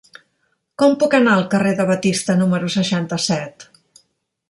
Com puc anar al carrer de Batista número seixanta-set?